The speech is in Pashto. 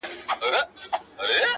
د وخت پاچا زما اته ي دي غلا كړي؛